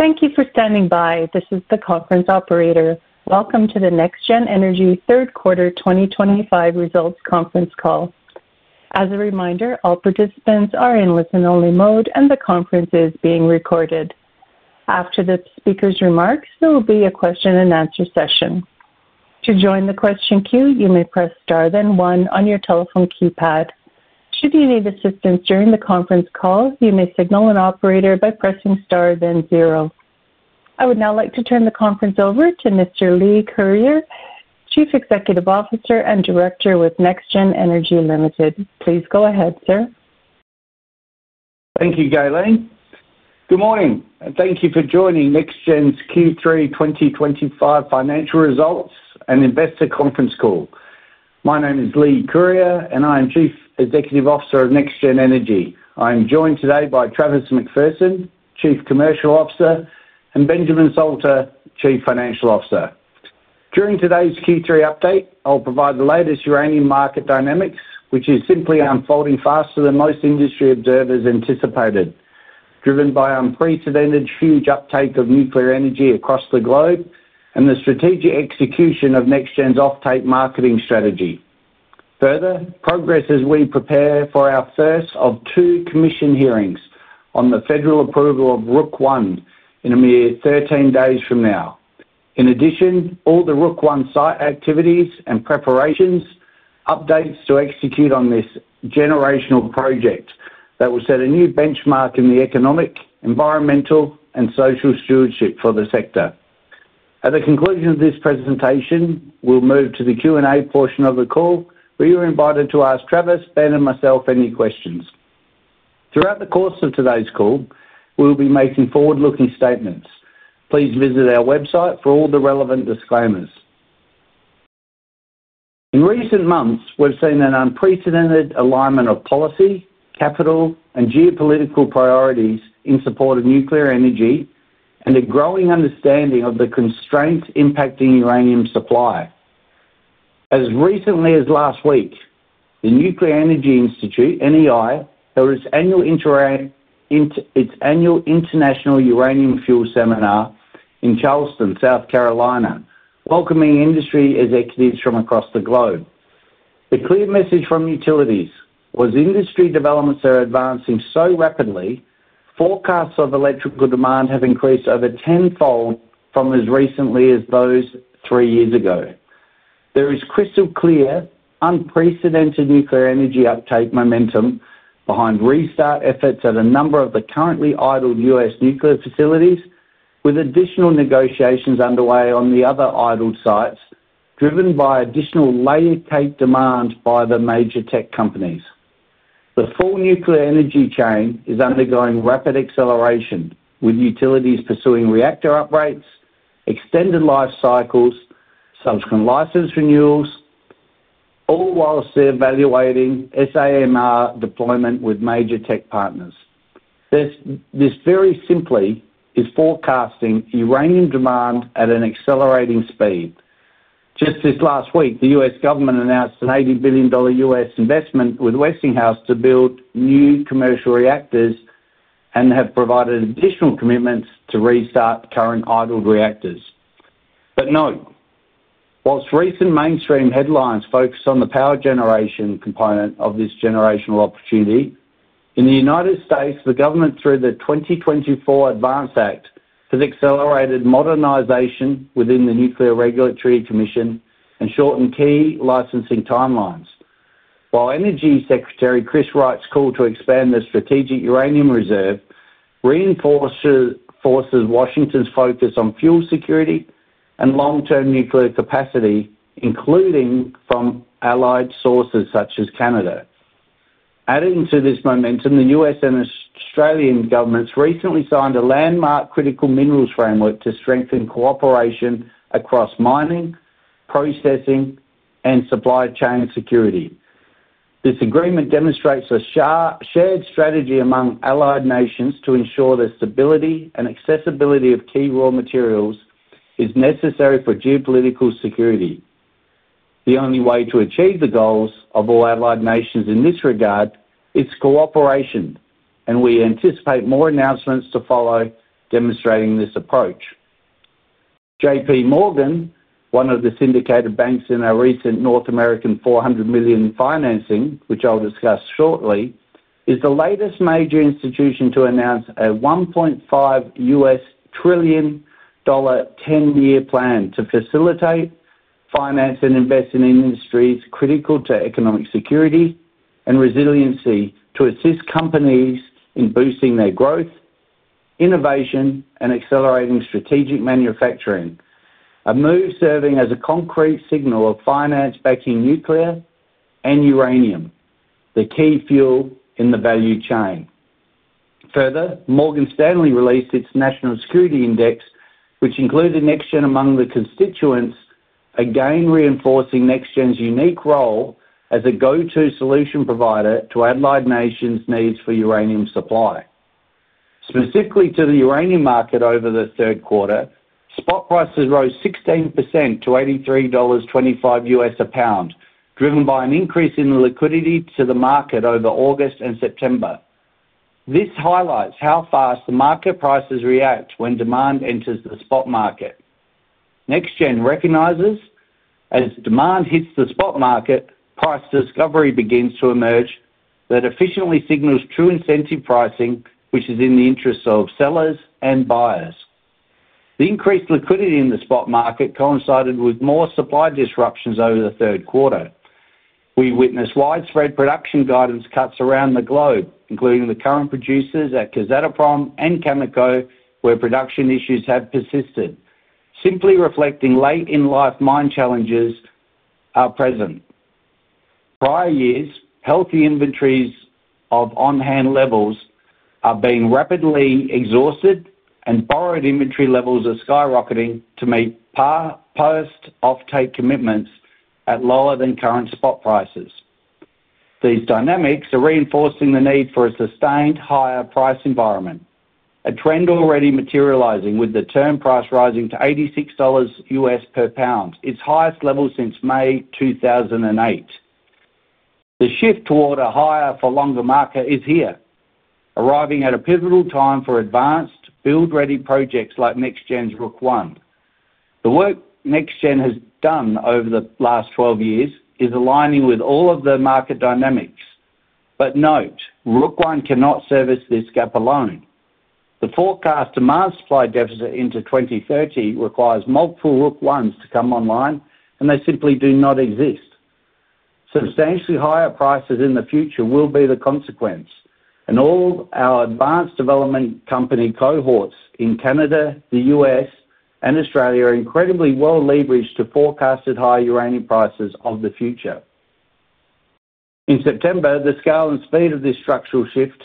Thank you for standing by. This is the conference operator. Welcome to the NexGen Energy Third Quarter 2025 Results Conference Call. As a reminder, all participants are in listen-only mode, and the conference is being recorded. After the speaker's remarks, there will be a question-and-answer session. To join the question queue, you may press star then one on your telephone keypad. Should you need assistance during the conference call, you may signal an operator by pressing star then zero. I would now like to turn the conference over to Mr. Leigh Curyer, Chief Executive Officer and Director with NexGen Energy Ltd. Please go ahead, sir. Thank you, Gillian. Good morning, and thank you for joining NexGen's Q3 2025 Financial Results And Investor Conference Call. My name is Leigh Curyer, and I am Chief Executive Officer of NexGen Energy Ltd. I am joined today by Travis McPherson, Chief Commercial Officer, and Benjamin Salter, Chief Financial Officer. During today's Q3 update, I'll provide the latest uranium market dynamics, which is simply unfolding faster than most industry observers anticipated, driven by unprecedented huge uptake of nuclear energy across the globe and the strategic execution of NexGen's offtake marketing strategy. Further, progress as we prepare for our first of two commission hearings on the federal approval of Rook I in a mere 13 days from now. In addition, all the Rook I site activities and preparations, updates to execute on this generational project that will set a new benchmark in the economic, environmental, and social stewardship for the sector. At the conclusion of this presentation, we'll move to the Q&A portion of the call, where you're invited to ask Travis, Ben, and myself any questions. Throughout the course of today's call, we'll be making forward-looking statements. Please visit our website for all the relevant disclaimers. In recent months, we've seen an unprecedented alignment of policy, capital, and geopolitical priorities in support of nuclear energy and a growing understanding of the constraints impacting uranium supply. As recently as last week, the Nuclear Energy Institute, NEI, held its annual International Uranium Fuel Seminar in Charleston, South Carolina, welcoming industry executives from across the globe. The clear message from utilities was industry developments are advancing so rapidly, forecasts of electrical demand have increased over tenfold from as recently as those three years ago. There is crystal clear, unprecedented nuclear energy uptake momentum behind restart efforts at a number of the currently idled US nuclear facilities, with additional negotiations underway on the other idled sites, driven by additional layered tape demand by the major tech companies. The full nuclear energy chain is undergoing rapid acceleration, with utilities pursuing reactor upgrades, extended life cycles, subsequent license renewals. All whilst they're evaluating SMR deployment with major tech partners. This very simply is forecasting uranium demand at an accelerating speed. Just this last week, the US government announced an $80 billion investment with Westinghouse to build new commercial reactors and have provided additional commitments to restart current idled reactors. Note. Whilst recent mainstream headlines focus on the power generation component of this generational opportunity, in the United States, the government, through the 2024 Advance Act, has accelerated modernization within the Nuclear Regulatory Commission and shortened key licensing timelines. While Energy Secretary Chris Wright's call to expand the strategic uranium reserve reinforces Washington's focus on fuel security and long-term nuclear capacity, including from allied sources such as Canada. Adding to this momentum, the US and Australian governments recently signed a landmark critical minerals framework to strengthen cooperation across mining, processing, and supply chain security. This agreement demonstrates a shared strategy among allied nations to ensure the stability and accessibility of key raw materials is necessary for geopolitical security. The only way to achieve the goals of all allied nations in this regard is cooperation, and we anticipate more announcements to follow demonstrating this approach. J.P. Morgan, one of the syndicated banks in our recent North American $400 million financing, which I'll discuss shortly, is the latest major institution to announce a $1.5 trillion 10-year plan to facilitate finance and invest in industries critical to economic security and resiliency to assist companies in boosting their growth, innovation, and accelerating strategic manufacturing, a move serving as a concrete signal of finance backing nuclear and uranium, the key fuel in the value chain. Further, Morgan Stanley released its national security index, which included NexGen among the constituents, again reinforcing NexGen's unique role as a go-to solution provider to allied nations' needs for uranium supply. Specifically to the uranium market over the third quarter, spot prices rose 16% to $83.25 a lbs, driven by an increase in the liquidity to the market over August and September. This highlights how fast the market prices react when demand enters the spot market. NexGen recognizes as demand hits the spot market, price discovery begins to emerge that efficiently signals true incentive pricing, which is in the interests of sellers and buyers. The increased liquidity in the spot market coincided with more supply disruptions over the third quarter. We witnessed widespread production guidance cuts around the globe, including the current producers at Kazatomprom and Cameco, where production issues have persisted, simply reflecting late-in-life mine challenges are present. Prior years, healthy inventories of on-hand levels are being rapidly exhausted, and borrowed inventory levels are skyrocketing to meet post-offtake commitments at lower than current spot prices. These dynamics are reinforcing the need for a sustained higher price environment, a trend already materializing with the term price rising to $86 per lbs, its highest level since May 2008. The shift toward a higher-for-longer market is here, arriving at a pivotal time for advanced, field-ready projects like NexGen's Rook I. The work NexGen has done over the last 12 years is aligning with all of the market dynamics. Note, Rook I cannot service this gap alone. The forecast demand supply deficit into 2030 requires multiple Rook I's to come online, and they simply do not exist. Substantially higher prices in the future will be the consequence, and all our advanced development company cohorts in Canada, the US, and Australia are incredibly well-leveraged to forecasted high uranium prices of the future. In September, the scale and speed of this structural shift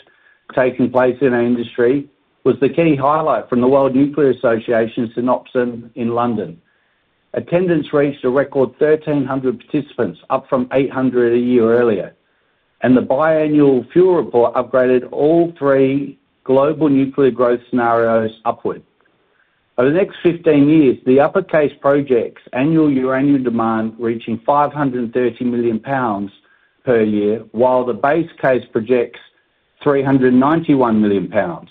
taking place in our industry was the key highlight from the World Nuclear Association's synopsis in London. Attendance reached a record 1,300 participants, up from 800 a year earlier, and the biannual fuel report upgraded all three global nuclear growth scenarios upward. Over the next 15 years, the upper-case projects' annual uranium demand reaching 530 million lbs per year, while the base case projects 391 million lbs.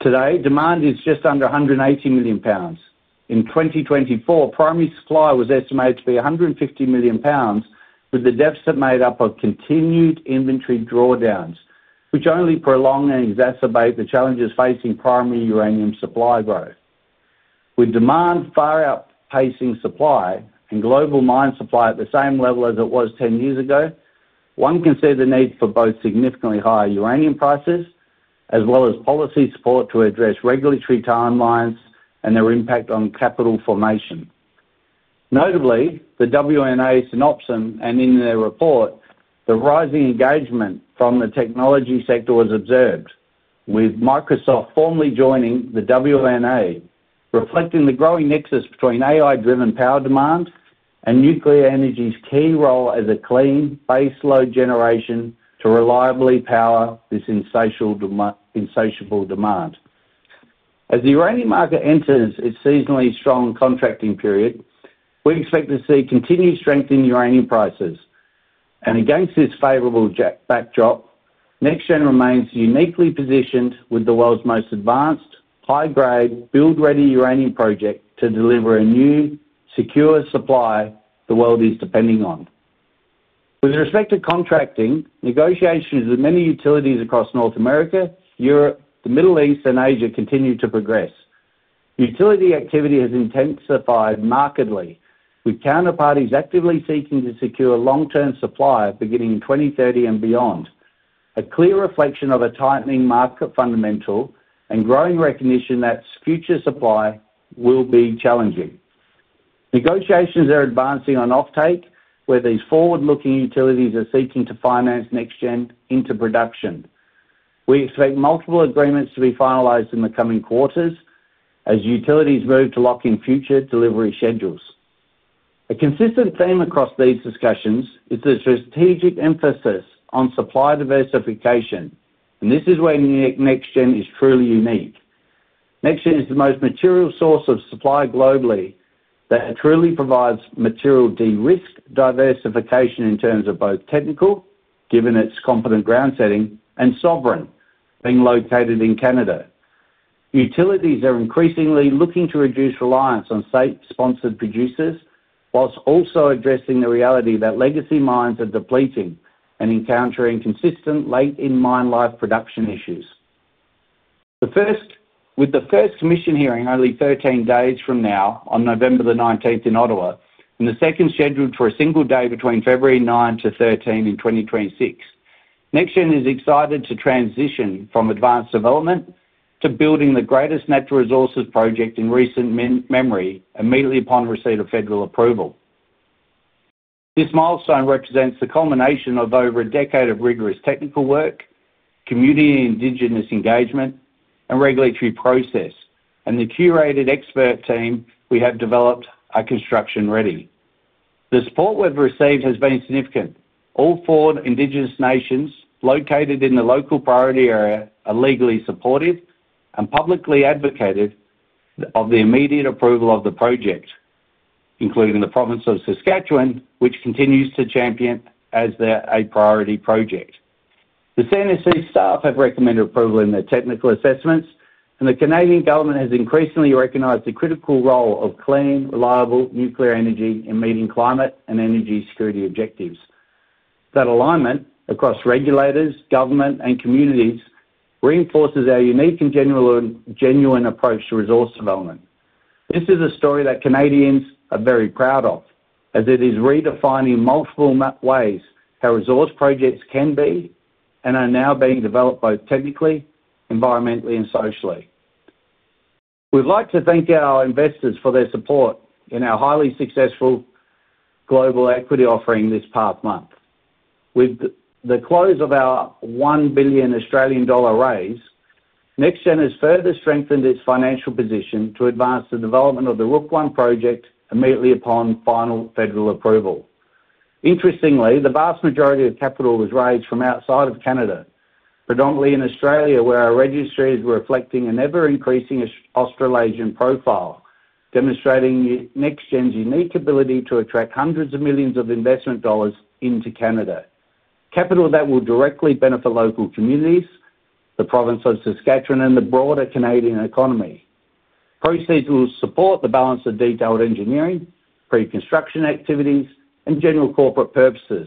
Today, demand is just under 180 million lbs. In 2024, primary supply was estimated to be 150 million lbs, with the deficit made up of continued inventory drawdowns, which only prolong and exacerbate the challenges facing primary uranium supply growth. With demand far outpacing supply and global mine supply at the same level as it was 10 years ago, one can see the need for both significantly higher uranium prices as well as policy support to address regulatory timelines and their impact on capital formation. Notably, the WNA synopsis, and in their report, the rising engagement from the technology sector was observed, with Microsoft formally joining the WNA, reflecting the growing nexus between AI-driven power demand and nuclear energy's key role as a clean base load generation to reliably power this insatiable demand. As the uranium market enters its seasonally strong contracting period, we expect to see continued strength in uranium prices, and against this favorable backdrop, NexGen remains uniquely positioned with the world's most advanced, high-grade, build-ready uranium project to deliver a new secure supply the world is depending on. With respect to contracting, negotiations with many utilities across North America, Europe, the Middle East, and Asia continue to progress. Utility activity has intensified markedly, with counterparties actively seeking to secure long-term supply beginning 2030 and beyond, a clear reflection of a tightening market fundamental and growing recognition that future supply will be challenging. Negotiations are advancing on offtake, where these forward-looking utilities are seeking to finance NexGen into production. We expect multiple agreements to be finalized in the coming quarters as utilities move to lock in future delivery schedules. A consistent theme across these discussions is the strategic emphasis on supply diversification, and this is where NexGen is truly unique. NexGen is the most material source of supply globally that truly provides material de-risk diversification in terms of both technical, given its competent ground setting, and sovereign, being located in Canada. Utilities are increasingly looking to reduce reliance on state-sponsored producers, whilst also addressing the reality that legacy mines are depleting and encountering consistent late-in-mine life production issues. With the first commission hearing only 13 days from now on November 19th in Ottawa, and the second scheduled for a single day between February 9th to February 13th in 2026, NexGen is excited to transition from advanced development to building the greatest natural resources project in recent memory immediately upon receipt of federal approval. This milestone represents the culmination of over a decade of rigorous technical work, community and indigenous engagement, and regulatory process, and the curated expert team we have developed are construction-ready. The support we've received has been significant. All four indigenous nations located in the local priority area are legally supported and publicly advocated of the immediate approval of the project, including the province of Saskatchewan, which continues to champion it as a priority project. The CNSC staff have recommended approval in their technical assessments, and the Canadian government has increasingly recognized the critical role of clean, reliable nuclear energy in meeting climate and energy security objectives. That alignment across regulators, government, and communities reinforces our unique and genuine approach to resource development. This is a story that Canadians are very proud of, as it is redefining multiple ways how resource projects can be and are now being developed both technically, environmentally, and socially. We'd like to thank our investors for their support in our highly successful global equity offering this past month. With the close of our 1 billion Australian dollar raise, NexGen has further strengthened its financial position to advance the development of the Rook I project immediately upon final federal approval. Interestingly, the vast majority of capital was raised from outside of Canada, predominantly in Australia, where our registries were reflecting an ever-increasing Australasian profile, demonstrating NexGen's unique ability to attract hundreds of millions of investment dollars into Canada, capital that will directly benefit local communities, the province of Saskatchewan, and the broader Canadian economy. Proceeds will support the balance of detailed engineering, pre-construction activities, and general corporate purposes,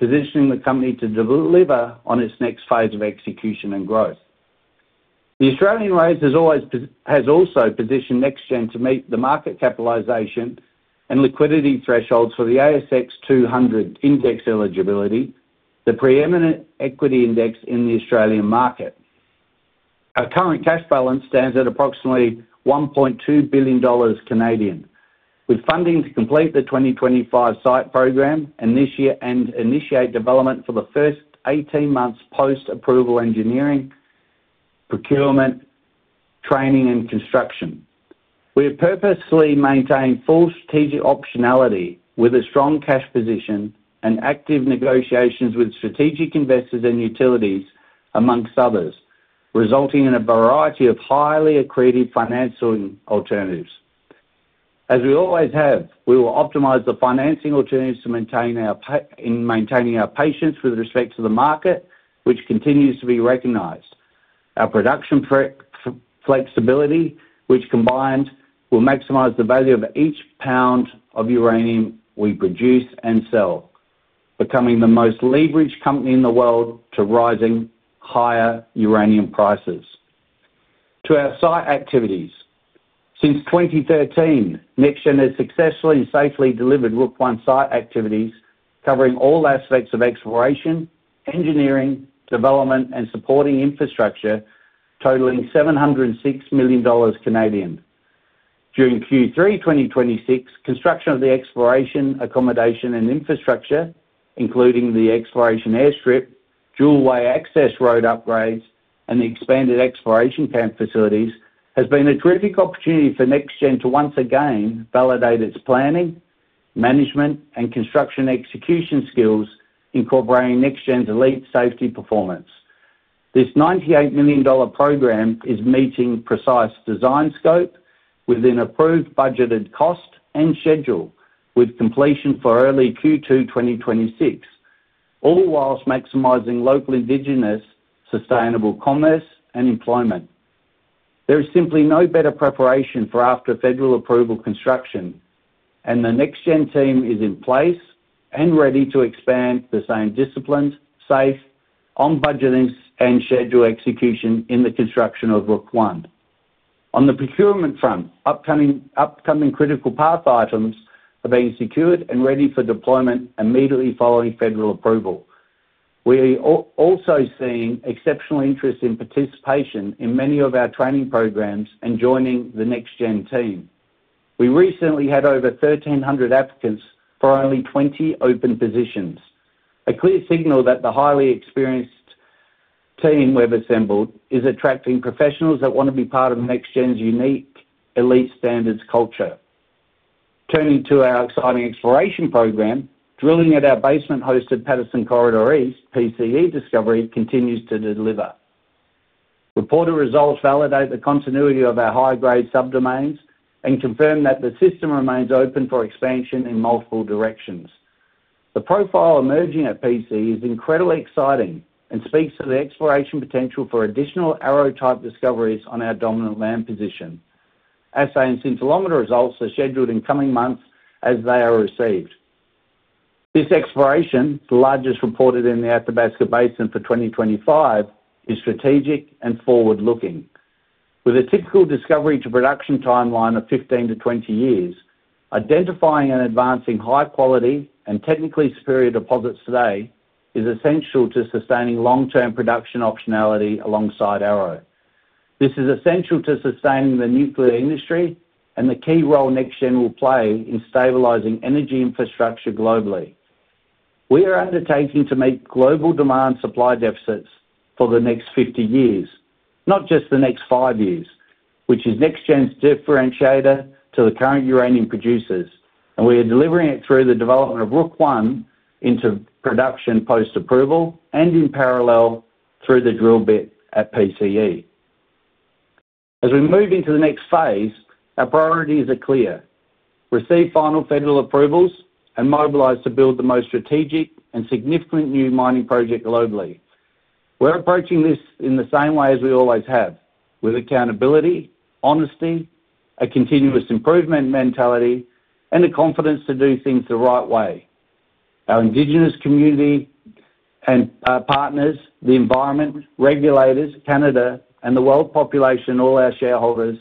positioning the company to deliver on its next phase of execution and growth. The Australian raise has also positioned NexGen to meet the market capitalization and liquidity thresholds for the ASX 200 index eligibility, the preeminent equity index in the Australian market. Our current cash balance stands at approximately 1.2 billion Canadian dollars, with funding to complete the 2025 site program and initiate development for the first 18 months post-approval engineering. Procurement. Training, and construction. We have purposefully maintained full strategic optionality with a strong cash position and active negotiations with strategic investors and utilities, amongst others, resulting in a variety of highly accredited financing alternatives. As we always have, we will optimize the financing alternatives in. Maintaining our patience with respect to the market, which continues to be recognized. Our production flexibility, which combined will maximize the value of each lbs of uranium we produce and sell, becoming the most leveraged company in the world to rising higher uranium prices. To our site activities. Since 2013, NexGen has successfully and safely delivered Rook I site activities covering all aspects of exploration, engineering, development, and supporting infrastructure, totaling 706 million Canadian dollars. During Q3 2026, construction of the exploration, accommodation, and infrastructure, including the exploration airstrip, dual-way access road upgrades, and the expanded exploration camp facilities, has been a terrific opportunity for NexGen to once again validate its planning, management, and construction execution skills, incorporating NexGen's elite safety performance. This $98 million program is meeting precise design scope with an approved budgeted cost and schedule, with completion for early Q2 2026. All whilst maximizing local indigenous sustainable commerce and employment. There is simply no better preparation for after-federal approval construction, and the NexGen team is in place and ready to expand the same disciplines, safe, on budgets, and schedule execution in the construction of Rook I. On the procurement front, upcoming critical path items are being secured and ready for deployment immediately following federal approval. We are also seeing exceptional interest in participation in many of our training programs and joining the NexGen team. We recently had over 1,300 applicants for only 20 open positions, a clear signal that the highly experienced team we've assembled is attracting professionals that want to be part of NexGen's unique elite standards culture. Turning to our exciting exploration program, drilling at our basement-hosted Patterson Corridor East (PCE) discovery continues to deliver. Reported results validate the continuity of our high-grade subdomains and confirm that the system remains open for expansion in multiple directions. The profile emerging at PCE is incredibly exciting and speaks to the exploration potential for additional Arrow-type discoveries on our dominant land position. Assay and scintillometer results are scheduled in coming months as they are received. This exploration, the largest reported in the Athabasca Basin for 2025, is strategic and forward-looking. With a typical discovery-to-production timeline of 15 years to 20 years, identifying and advancing high-quality and technically superior deposits today is essential to sustaining long-term production optionality alongside Arrow. This is essential to sustaining the nuclear industry and the key role NexGen will play in stabilizing energy infrastructure globally. We are undertaking to meet global demand supply deficits for the next 50 years, not just the next five years, which is NexGen's differentiator to the current uranium producers, and we are delivering it through the development of Rook I into production post-approval and in parallel through the drill bit at PCE. As we move into the next phase, our priorities are clear: receive final federal approvals and mobilize to build the most strategic and significant new mining project globally. We're approaching this in the same way as we always have, with accountability, honesty, a continuous improvement mentality, and a confidence to do things the right way. Our indigenous community and partners, the environment, regulators, Canada, and the world population, all our shareholders,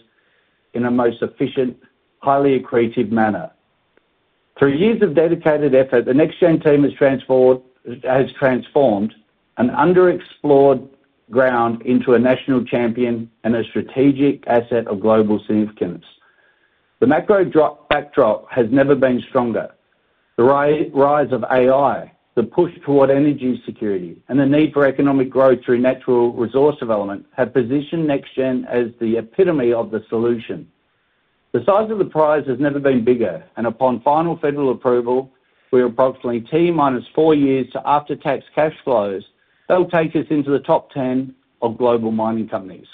in a most efficient, highly accredited manner. Through years of dedicated effort, the NexGen team has transformed an underexplored ground into a national champion and a strategic asset of global significance. The macro backdrop has never been stronger. The rise of AI, the push toward energy security, and the need for economic growth through natural resource development have positioned NexGen as the epitome of the solution. The size of the prize has never been bigger, and upon final federal approval, we are approximately T minus four years to after-tax cash flows that will take us into the top 10 of global mining companies.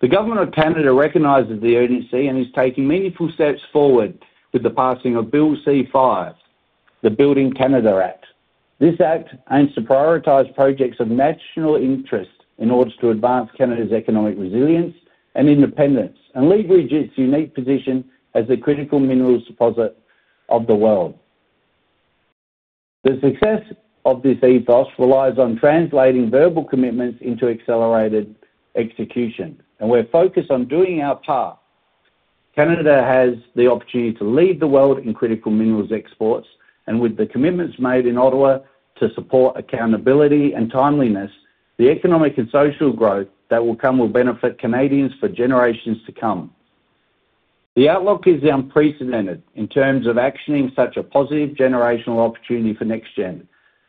The government of Canada recognizes the urgency and is taking meaningful steps forward with the passing of Bill C-5, the Building Canada Act. This act aims to prioritize projects of national interest in order to advance Canada's economic resilience and independence and leverage its unique position as the critical minerals deposit of the world. The success of this ethos relies on translating verbal commitments into accelerated execution, and we're focused on doing our part. Canada has the opportunity to lead the world in critical minerals exports, and with the commitments made in Ottawa to support accountability and timeliness, the economic and social growth that will come will benefit Canadians for generations to come. The outlook is unprecedented in terms of actioning such a positive generational opportunity for NexGen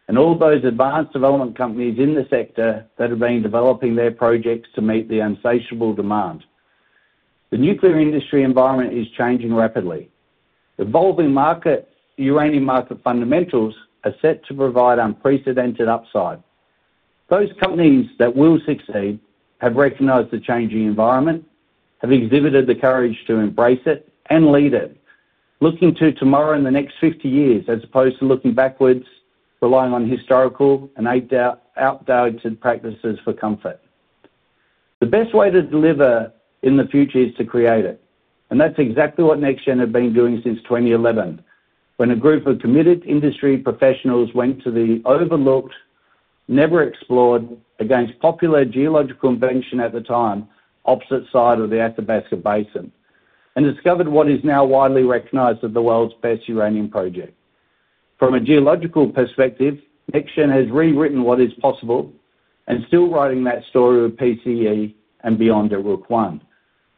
and all those advanced development companies in the sector that have been developing their projects to meet the unsatiable demand. The nuclear industry environment is changing rapidly. Evolving uranium market fundamentals are set to provide unprecedented upside. Those companies that will succeed have recognized the changing environment, have exhibited the courage to embrace it and lead it, looking to tomorrow in the next 50 years as opposed to looking backwards, relying on historical and outdated practices for comfort. The best way to deliver in the future is to create it, and that's exactly what NexGen have been doing since 2011, when a group of committed industry professionals went to the overlooked, never explored, against popular geological invention at the time, opposite side of the Athabasca Basin, and discovered what is now widely recognized as the world's best uranium project. From a geological perspective, NexGen has rewritten what is possible and still writing that story with PCE and beyond at Rook I.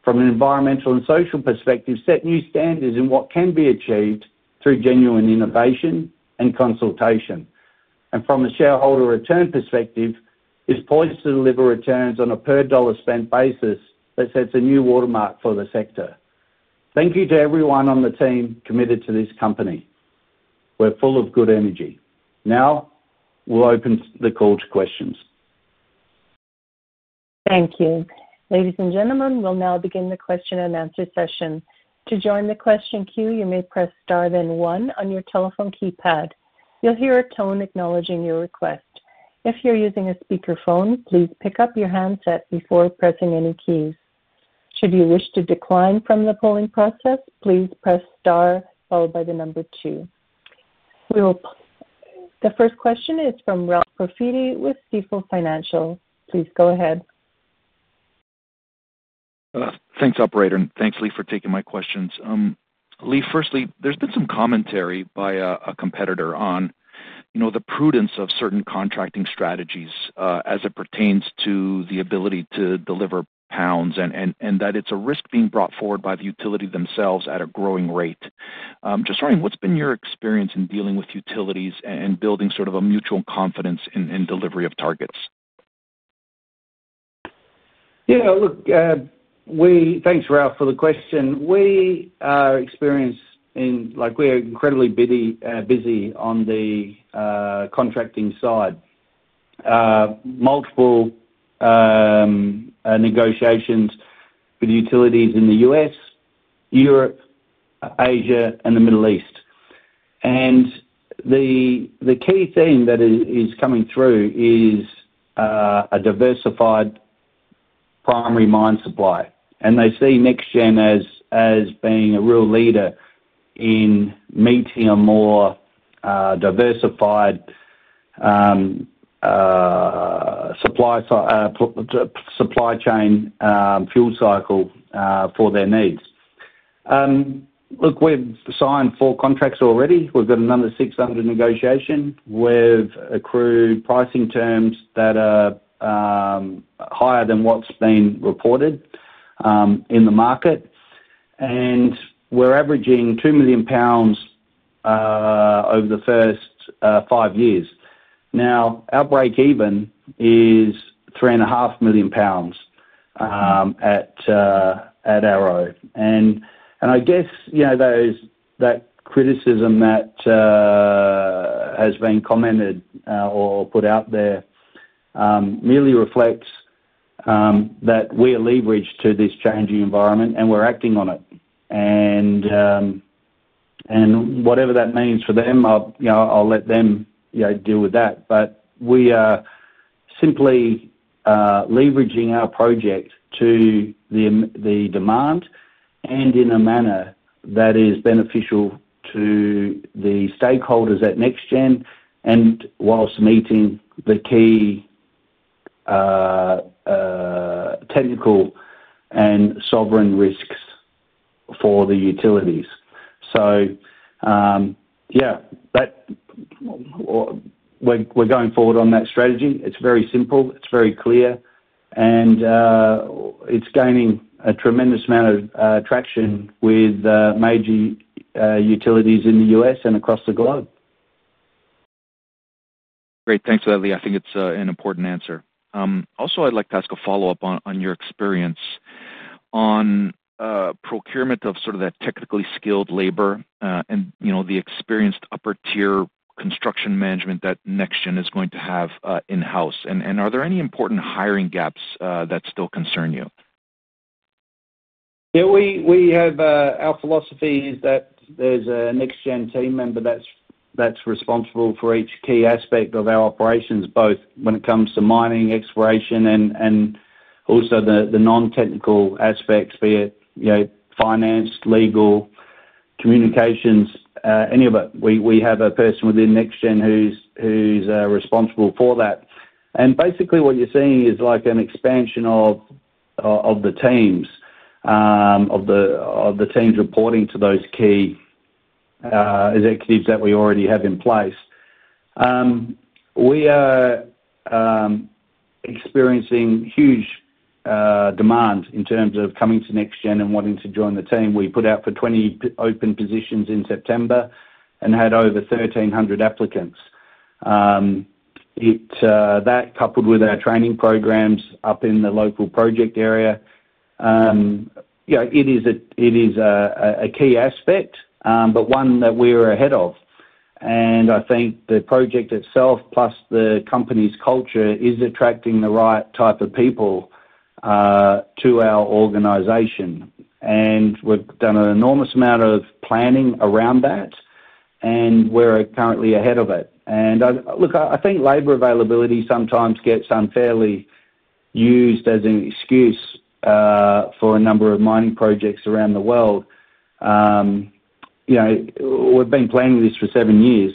From an environmental and social perspective, set new standards in what can be achieved through genuine innovation and consultation. From a shareholder return perspective, is poised to deliver returns on a per-dollar-spent basis that sets a new watermark for the sector. Thank you to everyone on the team committed to this company. We're full of good energy. Now, we'll open the call to questions. Thank you. Ladies and gentlemen, we'll now begin the question and answer session. To join the question queue, you may press star then one on your telephone keypad. You'll hear a tone acknowledging your request. If you're using a speakerphone, please pick up your handset before pressing any keys. Should you wish to decline from the polling process, please press star followed by the number two. The first question is from Ralph Profiti with Stifel Financial. Please go ahead. Thanks, operator, and thanks, Leigh, for taking my questions. Leigh, firstly, there's been some commentary by a competitor on the prudence of certain contracting strategies as it pertains to the ability to deliver lbs and that it's a risk being brought forward by the utility themselves at a growing rate. Just wondering, what's been your experience in dealing with utilities and building sort of a mutual confidence in delivery of targets? Yeah. Look. Thanks, Ralph, for the question. We are experienced in, we are incredibly busy on the contracting side. Multiple negotiations with utilities in the US, Europe, Asia, and the Middle East. The key thing that is coming through is a diversified primary mine supply, and they see NexGen as being a real leader in meeting a more diversified supply chain fuel cycle for their needs. Look, we've signed four contracts already. We've got another 600 negotiations. We've accrued pricing terms that are higher than what's been reported in the market. And we're averaging 2 million pounds over the first five years. Now, our break-even is 3.5 million pounds at Arrow. And I guess that criticism that has been commented or put out there merely reflects that we are leveraged to this changing environment and we're acting on it. Whatever that means for them, I'll let them deal with that. We are simply leveraging our project to the demand and in a manner that is beneficial to the stakeholders at NexGen and whilst meeting the key technical and sovereign risks for the utilities. Yeah. We're going forward on that strategy. It's very simple. It's very clear. And it's gaining a tremendous amount of traction with major utilities in the US and across the globe. Great. Thanks for that, Leigh. I think it's an important answer. Also, I'd like to ask a follow-up on your experience on procurement of sort of that technically skilled labor and the experienced upper-tier construction management that NexGen is going to have in-house. Are there any important hiring gaps that still concern you? Yeah. Our philosophy is that there's a NexGen team member that's responsible for each key aspect of our operations, both when it comes to mining, exploration, and also the non-technical aspects, be it finance, legal, communications, any of it. We have a person within NexGen who's responsible for that. Basically, what you're seeing is an expansion of the teams reporting to those key executives that we already have in place. We are experiencing huge demand in terms of coming to NexGen and wanting to join the team. We put out for 20 open positions in September and had over 1,300 applicants. That, coupled with our training programs up in the local project area. It is a key aspect, but one that we are ahead of. I think the project itself, plus the company's culture, is attracting the right type of people to our organization. We have done an enormous amount of planning around that. We are currently ahead of it. I think labor availability sometimes gets unfairly used as an excuse for a number of mining projects around the world. We have been planning this for seven years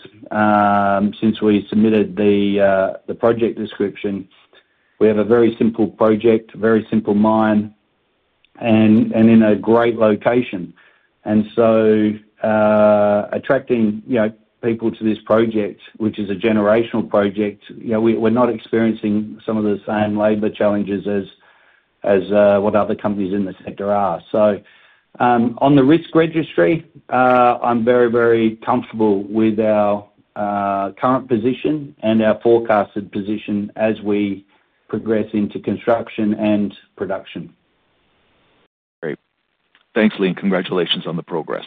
since we submitted the project description. We have a very simple project, very simple mine, and in a great location. Attracting people to this project, which is a generational project, we are not experiencing some of the same labor challenges as what other companies in the sector are. On the risk registry, I am very, very comfortable with our current position and our forecasted position as we progress into construction and production. Great. Thanks, Leigh. And congratulations on the progress.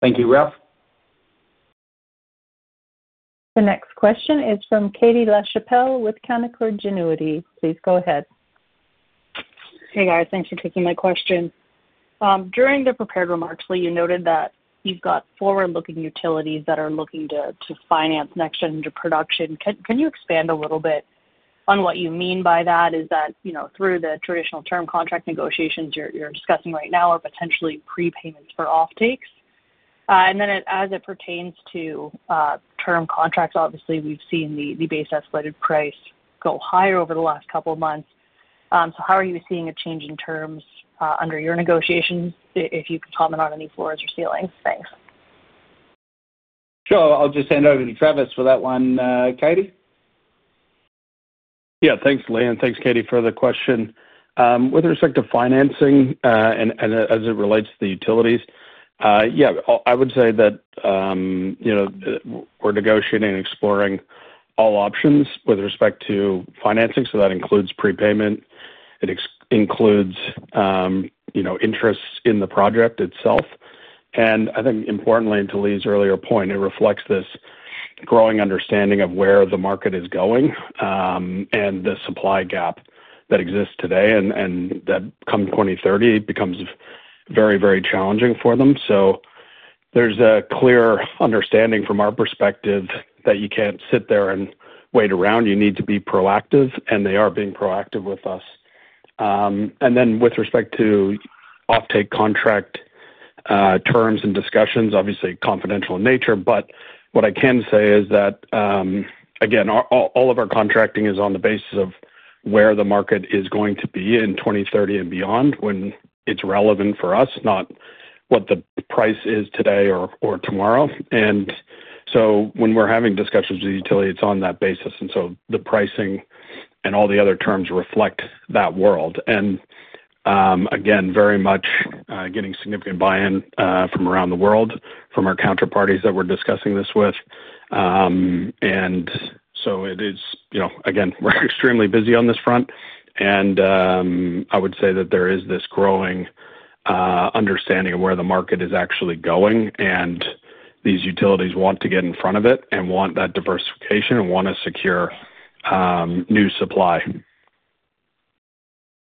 Thank you, Ralph. The next question is from Katie Lachapelle with Canaccord Genuity. Please go ahead. Hey, guys. Thanks for taking my question. During the prepared remarks, Leigh, you noted that you've got forward-looking utilities that are looking to finance NexGen into production. Can you expand a little bit on what you mean by that? Is that through the traditional term contract negotiations you're discussing right now or potentially prepayments for offtakes? And then as it pertains to term contracts, obviously, we've seen the base escalated price go higher over the last couple of months. How are you seeing a change in terms under your negotiations? If you can comment on any floors or ceilings. Thanks. Sure. I'll just hand over to Travis for that one. Katie? Yeah. Thanks, Leigh. Thanks, Katie, for the question. With respect to financing and as it relates to the utilities, yeah, I would say that. We're negotiating and exploring all options with respect to financing. That includes prepayment. It includes interests in the project itself. I think, importantly, to Leigh's earlier point, it reflects this growing understanding of where the market is going and the supply gap that exists today and that come 2030 becomes very, very challenging for them. There's a clear understanding from our perspective that you can't sit there and wait around. You need to be proactive, and they are being proactive with us. With respect to offtake contract terms and discussions, obviously confidential in nature. What I can say is that. Again, all of our contracting is on the basis of where the market is going to be in 2030 and beyond when it is relevant for us, not what the price is today or tomorrow. When we are having discussions with utilities, it is on that basis. The pricing and all the other terms reflect that world. Again, very much getting significant buy-in from around the world, from our counterparties that we are discussing this with. It is, again, we are extremely busy on this front. I would say that there is this growing understanding of where the market is actually going, and these utilities want to get in front of it and want that diversification and want to secure new supply.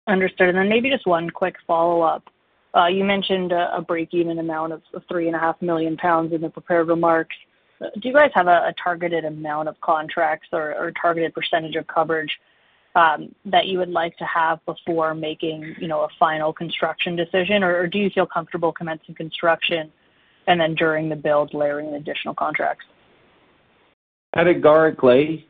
Understood. Maybe just one quick follow-up. You mentioned a break-even amount of 3.5 million pounds in the prepared remarks. Do you guys have a targeted amount of contracts or targeted percentage of coverage that you would like to have before making a final construction decision? Or do you feel comfortable commencing construction and then during the build layering additional contracts? Categorically,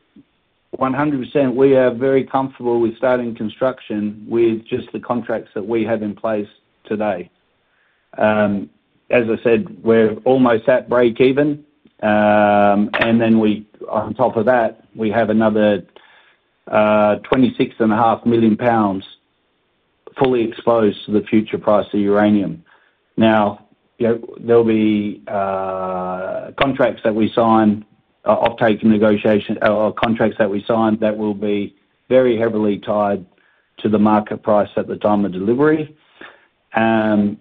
100%. We are very comfortable with starting construction with just the contracts that we have in place today. As I said, we are almost at break-even. On top of that, we have another 26.5 million pounds fully exposed to the future price of uranium. There will be contracts that we sign, offtake negotiation or contracts that we sign that will be very heavily tied to the market price at the time of delivery. That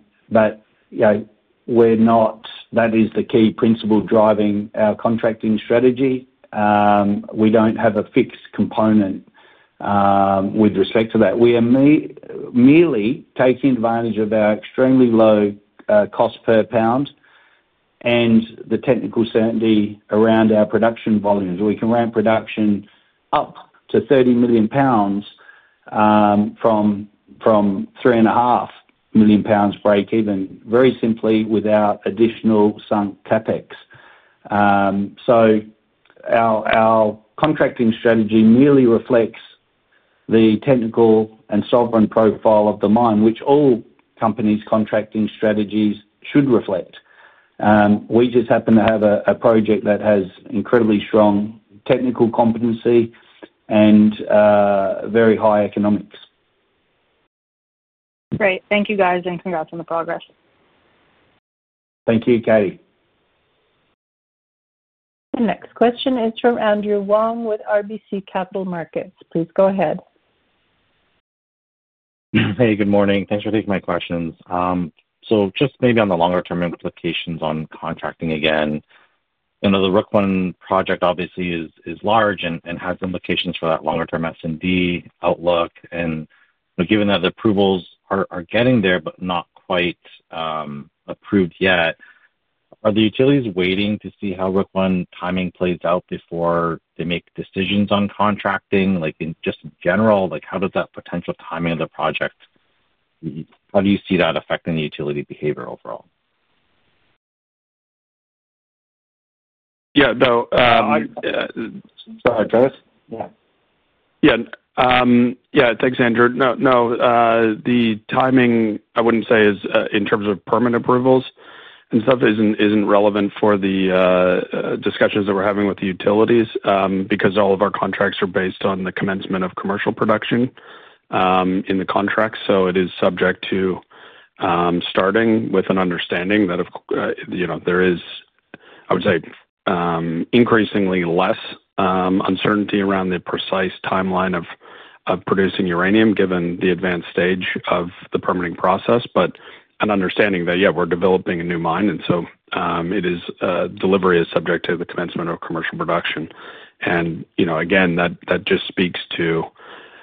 is the key principle driving our contracting strategy. We do not have a fixed component with respect to that. We are merely taking advantage of our extremely low cost per lbs The technical certainty around our production volumes means we can ramp production up to 30 million pounds from 3.5 million pounds break-even very simply without additional sunk CapEx. Our contracting strategy merely reflects the technical and sovereign profile of the mine, which all companies' contracting strategies should reflect. We just happen to have a project that has incredibly strong technical competency and very high economics. Great. Thank you, guys, and congrats on the progress. Thank you, Katie. The next question is from Andrew Wong with RBC Capital Markets. Please go ahead. Hey, good morning. Thanks for taking my questions. Just maybe on the longer-term implications on contracting again. The Rook I project, obviously, is large and has implications for that longer-term S&D outlook. Given that the approvals are getting there but not quite approved yet, are the utilities waiting to see how Rook I timing plays out before they make decisions on contracting? Just in general, how does that potential timing of the project—how do you see that affecting the utility behavior overall? Yeah. No. Sorry, Travis. Yeah. Yeah. Yeah. Thanks, Andrew. No. No. The timing, I would not say, in terms of permit approvals and stuff, is relevant for the discussions that we are having with the utilities because all of our contracts are based on the commencement of commercial production in the contracts. It is subject to starting with an understanding that there is, I would say, increasingly less uncertainty around the precise timeline of producing uranium given the advanced stage of the permitting process, but an understanding that, yeah, we are developing a new mine and so delivery is subject to the commencement of commercial production. That just speaks to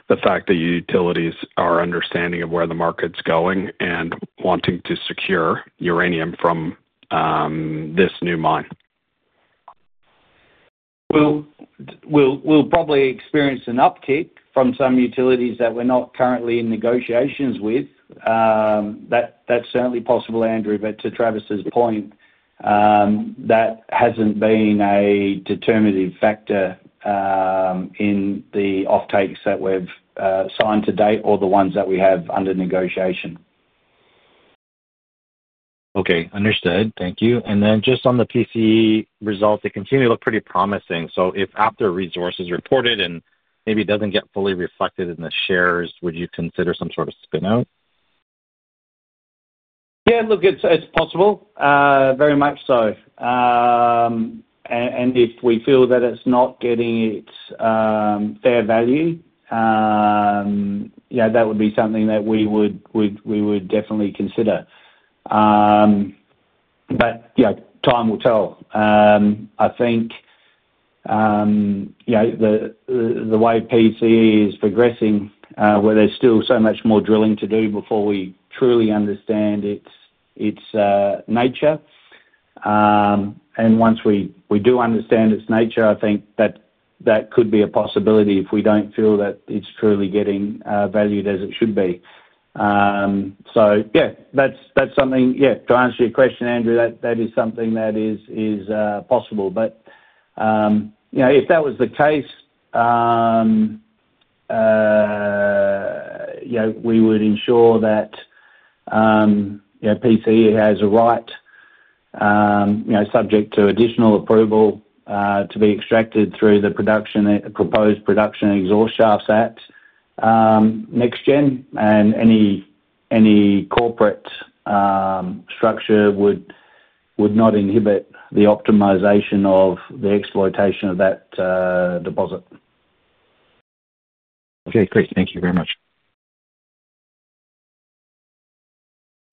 the fact that utilities are understanding of where the market's going and wanting to secure uranium from this new mine. We will probably experience an uptick from some utilities that we are not currently in negotiations with. That is certainly possible, Andrew. To Travis's point, that has not been a determinative factor in the offtakes that we have signed to date or the ones that we have under negotiation. Okay. Understood. Thank you. Just on the PCE results, they continue to look pretty promising. If after resources are reported and maybe it does not get fully reflected in the shares, would you consider some sort of spin-out? Yeah, it is possible, very much so. If we feel that it is not getting its fair value, that would be something that we would definitely consider. Time will tell, I think. The way PCE is progressing, where there's still so much more drilling to do before we truly understand its nature. And once we do understand its nature, I think that that could be a possibility if we don't feel that it's truly getting valued as it should be. So yeah, that's something yeah. To answer your question, Andrew, that is something that is possible. But if that was the case, we would ensure that PCE has a right, subject to additional approval, to be extracted through the proposed production exhaust shafts at NexGen. And any corporate structure would not inhibit the optimization of the exploitation of that deposit. Okay. Great. Thank you very much.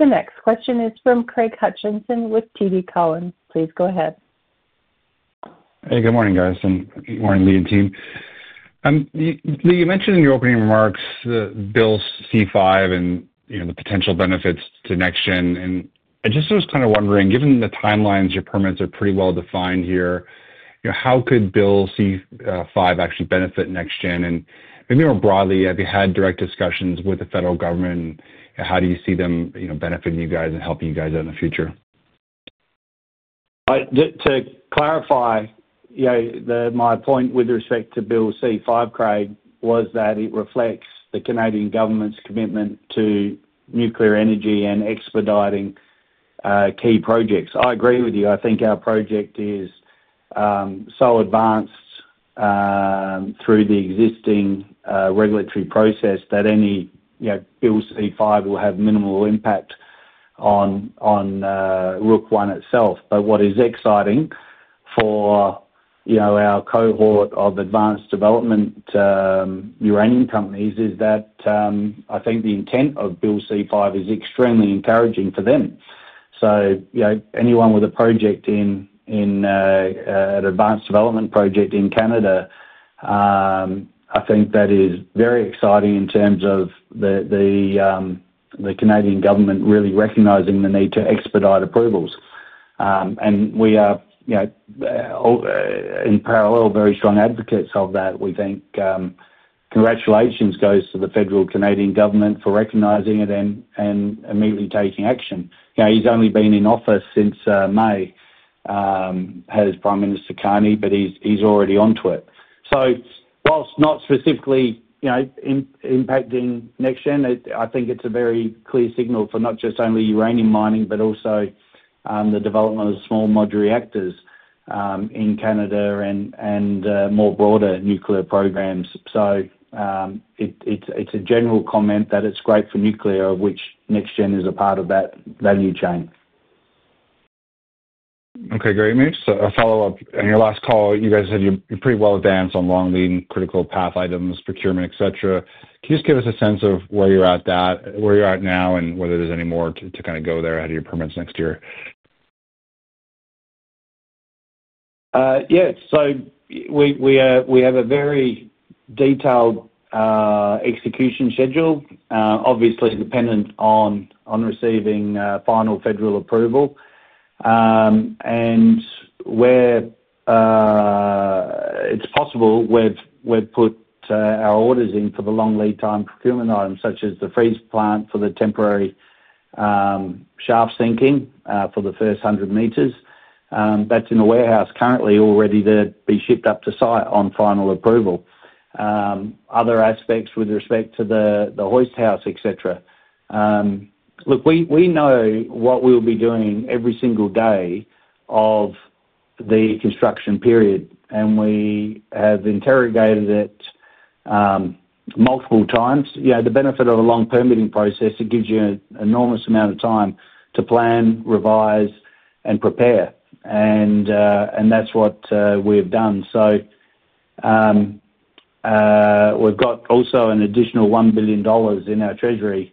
The next question is from Craig Hutchison with TD COWEN. Please go ahead. Hey, good morning, guys, and good morning, Leigh and team. Leigh, you mentioned in your opening remarks the Bill C-5 and the potential benefits to NexGen. I just was kind of wondering, given the timelines, your permits are pretty well defined here, how could Bill C-5 actually benefit NexGen? Maybe more broadly, have you had direct discussions with the federal government? How do you see them benefiting you guys and helping you guys out in the future? To clarify, my point with respect to Bill C-5, Craig, was that it reflects the Canadian government's commitment to nuclear energy and expediting key projects. I agree with you. I think our project is so advanced through the existing regulatory process that any Bill C-5 will have minimal impact on Rook I itself. What is exciting for our cohort of advanced development uranium companies is that I think the intent of Bill C-5 is extremely encouraging for them. Anyone with a project in an advanced development project in Canada, I think that is very exciting in terms of the Canadian government really recognizing the need to expedite approvals. We are, in parallel, very strong advocates of that. We think congratulations goes to the federal Canadian government for recognizing it and immediately taking action. He's only been in office since May, has Prime Minister Carney, but he's already onto it. Whilst not specifically impacting NexGen, I think it's a very clear signal for not just only uranium mining but also the development of small modular reactors in Canada and more broader nuclear programs. It's a general comment that it's great for nuclear, of which NexGen is a part of that value chain. Okay. Great, mate. A follow-up. On your last call, you guys said you're pretty well advanced on long-lead critical path items, procurement, et cetera. Can you just give us a sense of where you're at now and whether there's any more to kind of go there ahead of your permits next year? Yeah. We have a very detailed execution schedule, obviously dependent on receiving final federal approval. It's possible we've put our orders in for the long lead time procurement items, such as the freeze plant for the temporary shaft sinking for the first 100 meters. That's in the warehouse currently already to be shipped up to site on final approval. Other aspects with respect to the Hoist house, et cetera. Look, we know what we'll be doing every single day of the construction period, and we have interrogated it multiple times. The benefit of a long permitting process, it gives you an enormous amount of time to plan, revise, and prepare. That is what we have done. We have also got an additional $1 billion in our treasury.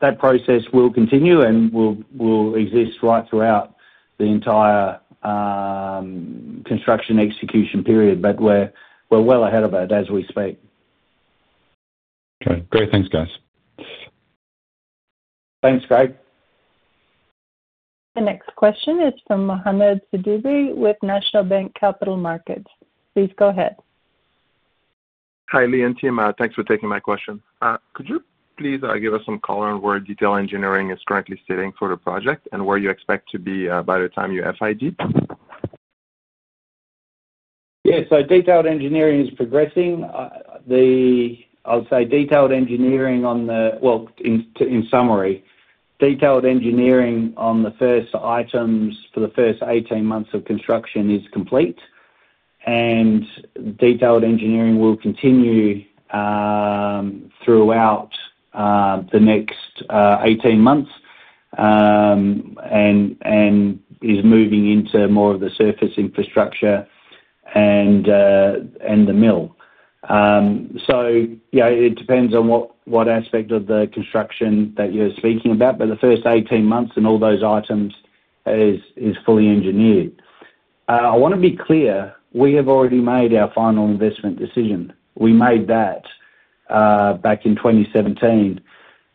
That process will continue and will exist right throughout the entire construction execution period. We are well ahead of it as we speak. Okay. Great. Thanks, guys. Thanks, Craig. The next question is from Mohammed Sadubi with National Bank Capital Markets. Please go ahead. Hi, Leigh and team. Thanks for taking my question. Could you please give us some color on where detailed engineering is currently sitting for the project and where you expect to be by the time you [RFID]? Yeah. Detailed engineering is progressing. I will say detailed engineering on the, well, in summary, detailed engineering on the first items for the first 18 months of construction is complete. Detailed engineering will continue throughout the next 18 months and is moving into more of the surface infrastructure and the mill. It depends on what aspect of the construction that you're speaking about, but the first 18 months and all those items is fully engineered. I want to be clear. We have already made our final investment decision. We made that back in 2017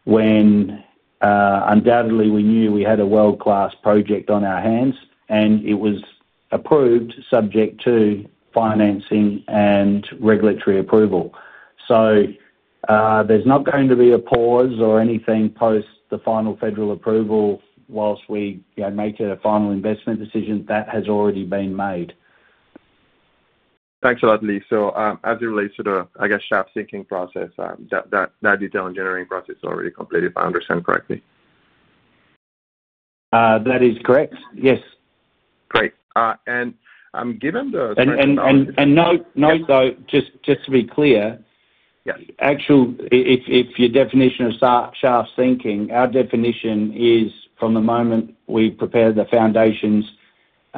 when undoubtedly we knew we had a world-class project on our hands, and it was approved, subject to financing and regulatory approval. There is not going to be a pause or anything post the final federal approval whilst we make a final investment decision. That has already been made. Thanks a lot, Leigh. As it relates to the, I guess, shaft sinking process, that detailed engineering process is already complete if I understand correctly. That is correct. Yes. Great. And given the note. Though, just to be clear. If your definition of shaft sinking, our definition is from the moment we prepare the foundations,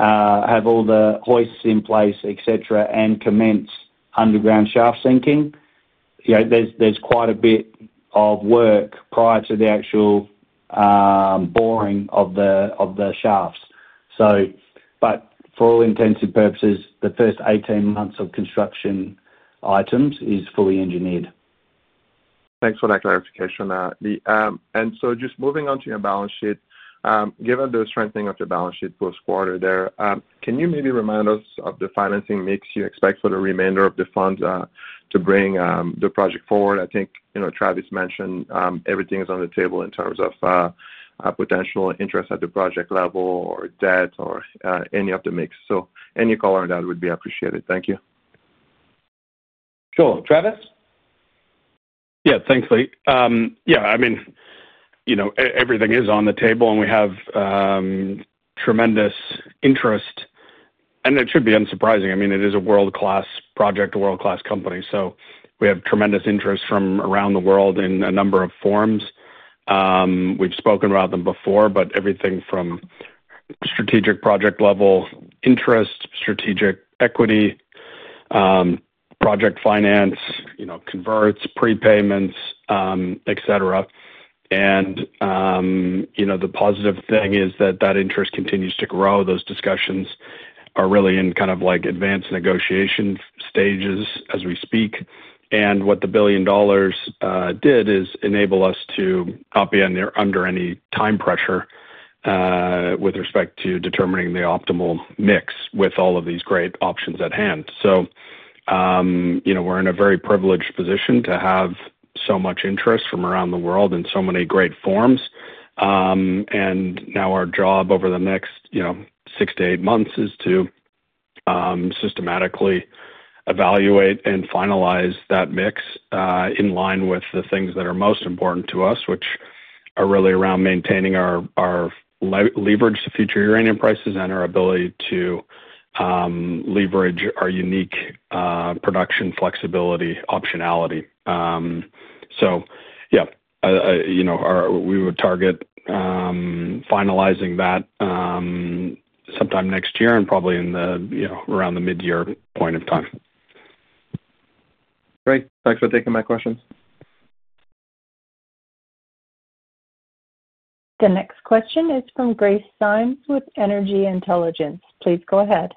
have all the hoists in place, et cetera., and commence underground shaft sinking. There is quite a bit of work prior to the actual boring of the shafts. For all intents and purposes, the first 18 months of construction items is fully engineered. Thanks for that clarification, Leigh. Just moving on to your balance sheet, given the strengthening of the balance sheet post-quarter there, can you maybe remind us of the financing mix you expect for the remainder of the funds to bring the project forward? I think Travis mentioned everything is on the table in terms of potential interest at the project level or debt or any of the mix. Any color on that would be appreciated. Thank you. Sure. Travis? Yeah. Thanks, Leigh.Yeah. I mean, everything is on the table, and we have tremendous interest. And it should be unsurprising. I mean, it is a world-class project, a world-class company. So we have tremendous interest from around the world in a number of forms. We've spoken about them before, but everything from strategic project-level interest, strategic equity, project finance, converts, prepayments, et cetera. And the positive thing is that that interest continues to grow. Those discussions are really in kind of advanced negotiation stages as we speak. And what the billion dollars did is enable us to not be under any time pressure with respect to determining the optimal mix with all of these great options at hand. So we're in a very privileged position to have so much interest from around the world in so many great forms. And now our job over the next six months to eight months is to. Systematically evaluate and finalize that mix in line with the things that are most important to us, which are really around maintaining our leverage to future uranium prices and our ability to leverage our unique production flexibility optionality. Yeah. We would target finalizing that sometime next year and probably around the mid-year point of time. Great. Thanks for taking my questions. The next question is from Grace Symes with Energy Intelligence. Please go ahead.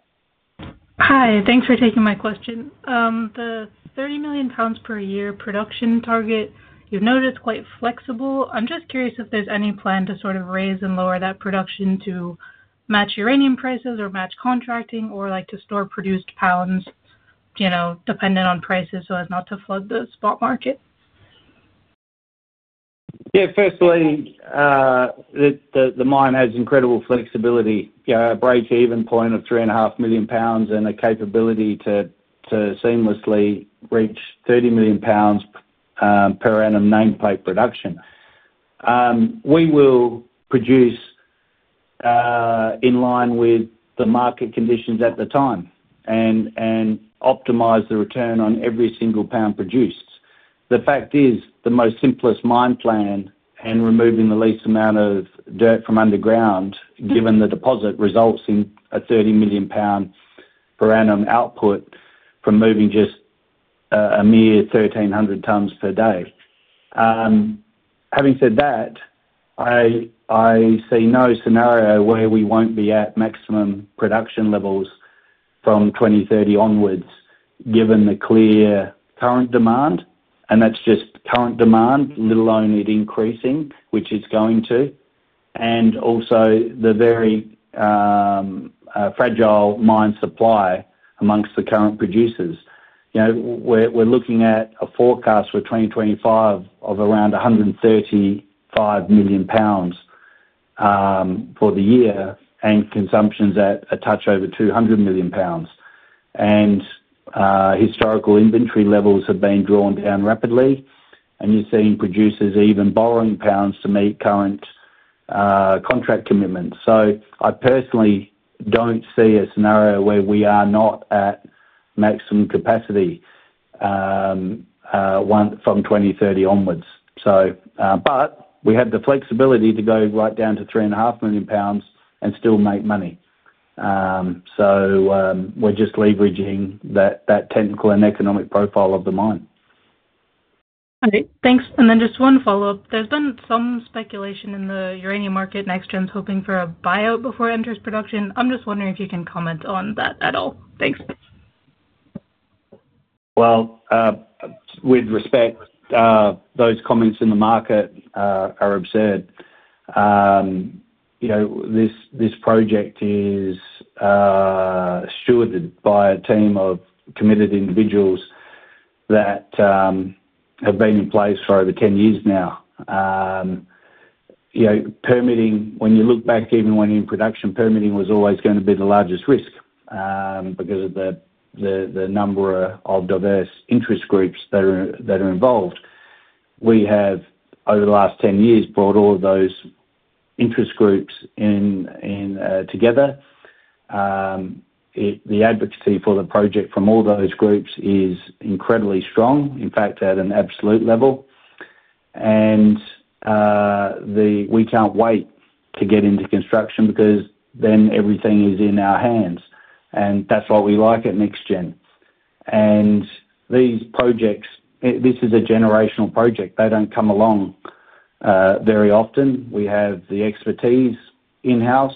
Hi. Thanks for taking my question. The 30 million pounds per year production target, you've noted it's quite flexible. I'm just curious if there's any plan to sort of raise and lower that production to match uranium prices or match contracting or to store produced pounds dependent on prices so as not to flood the spot market? Yeah. Firstly, the mine has incredible flexibility, a break-even point of 3.5 million pounds, and a capability to seamlessly reach 30 million pounds per annum nameplate production. We will produce in line with the market conditions at the time and optimize the return on every single pounds produced. The fact is, the most simplest mine plan and removing the least amount of dirt from underground, given the deposit, results in a 30 million pound per annum output from moving just a mere 1,300 tons per day. Having said that, I see no scenario where we will not be at maximum production levels from 2030 onwards, given the clear current demand. That is just current demand, let alone it increasing, which it is going to. Also, the very fragile mine supply amongst the current producers. We are looking at a forecast for 2025 of around 135 million pounds for the year and consumption is at a touch over 200 million pounds. Historical inventory levels have been drawn down rapidly. You are seeing producers even borrowing lbss to meet current contract commitments. I personally do not see a scenario where we are not at maximum capacity from 2030 onwards. We have the flexibility to go right down to 3.5 million pounds and still make money. We are just leveraging that technical and economic profile of the mine. Okay, thanks. One follow-up. There has been some speculation in the uranium market. NexGen's hoping for a buyout before it enters production. I am just wondering if you can comment on that at all. Thanks. With respect, those comments in the market are absurd. This project is stewarded by a team of committed individuals that have been in place for over 10 years now. When you look back, even when in production, permitting was always going to be the largest risk because of the number of diverse interest groups that are involved. We have, over the last 10 years, brought all of those interest groups together. The advocacy for the project from all those groups is incredibly strong, in fact, at an absolute level. We can't wait to get into construction because then everything is in our hands. That is why we like it, NexGen. This is a generational project. They do not come along very often. We have the expertise in-house.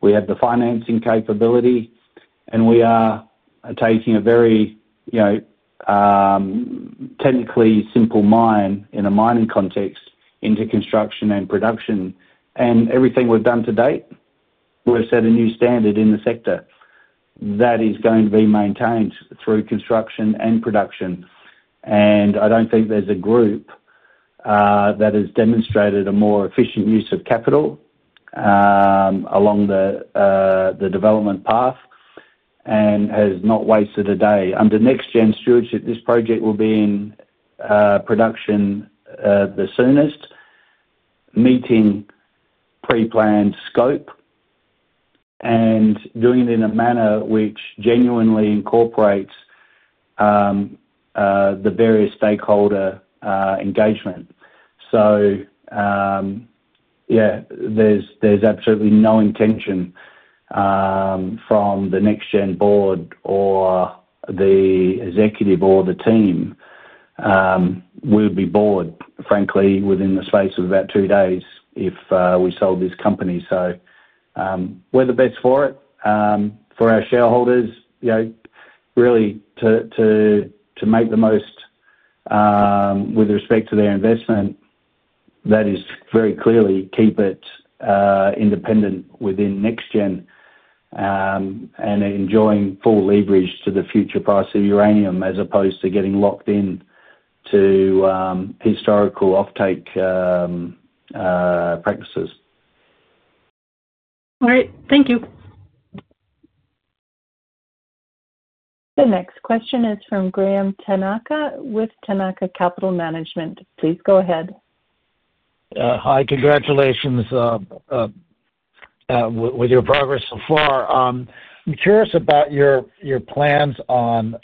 We have the financing capability. We are taking a very technically simple mine in a mining context into construction and production. Everything we have done to date, we have set a new standard in the sector. That is going to be maintained through construction and production. I do not think there is a group that has demonstrated a more efficient use of capital along the development path and has not wasted a day. Under NexGen stewardship, this project will be in production the soonest, meeting preplanned scope and doing it in a manner which genuinely incorporates the various stakeholder engagement. Yeah, there is absolutely no intention from the NexGen board or the executive or the team. We would be bored, frankly, within the space of about two days if we sold this company. We are the best for it, for our shareholders, really, to make the most with respect to their investment. That is very clearly keep it independent within NexGen and enjoying full leverage to the future price of uranium as opposed to getting locked into historical offtake practices. All right. Thank you. The next question is from Graham Tanaka with Tanaka Capital Management. Please go ahead. Hi. Congratulations with your progress so far. I'm curious about your plans on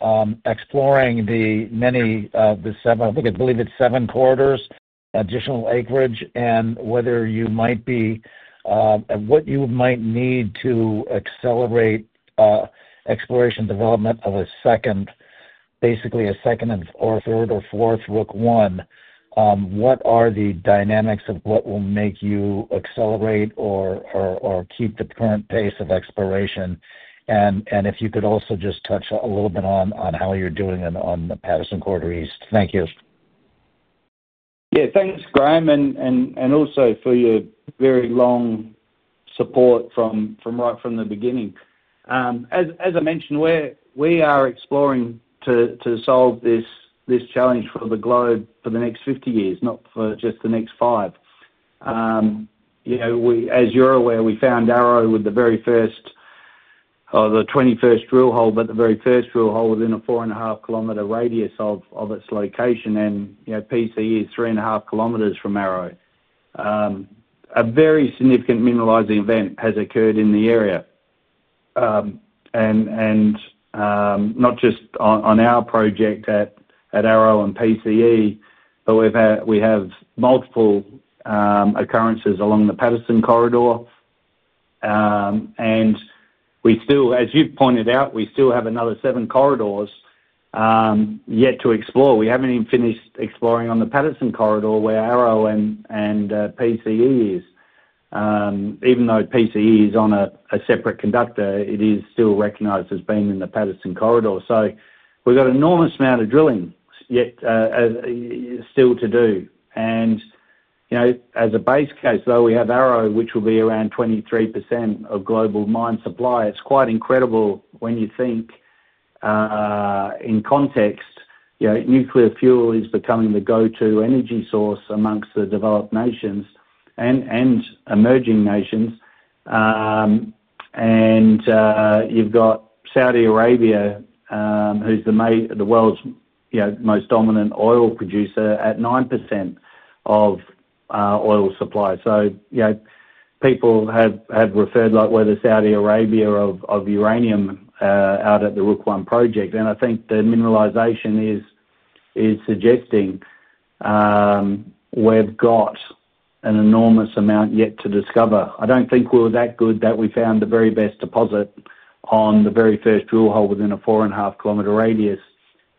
exploring the many of the seven—I believe it's seven quarters—additional acreage and whether you might be, what you might need to accelerate exploration development of a, basically a second or third or fourth Rook I. What are the dynamics of what will make you accelerate or keep the current pace of exploration? If you could also just touch a little bit on how you're doing on the Patterson Corridor East. Thank you. Yeah. Thanks, Graham, and also for your very long support from right from the beginning. As I mentioned, we are exploring to solve this challenge for the globe for the next 50 years, not for just the next five. As you're aware, we found Arrow with the very first. The 21st drill hole, but the very first drill hole within a 4.5-kilometer radius of its location. PCE is 3.5 kilometers from Arrow. A very significant mineralizing event has occurred in the area. Not just on our project at Arrow and PCE, we have multiple occurrences along the Patterson corridor. As you have pointed out, we still have another seven corridors yet to explore. We have not even finished exploring on the Patterson corridor where Arrow and PCE is. Even though PCE is on a separate conductor, it is still recognized as being in the Patterson corridor. We have an enormous amount of drilling still to do. As a base case, though, we have Arrow, which will be around 23% of global mine supply. It is quite incredible when you think. In context, nuclear fuel is becoming the go-to energy source amongst the developed nations and emerging nations. You have Saudi Arabia, who is the world's most dominant oil producer, at 9% of oil supply. People have referred, like where the Saudi Arabia of uranium out at the Rook I project. I think the mineralization is suggesting we have an enormous amount yet to discover. I do not think we were that good that we found the very best deposit on the very first drill hole within a 4.5 km radius